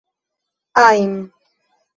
ajn